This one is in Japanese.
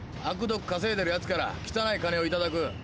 「あくどく稼いでるやつから汚い金を頂く」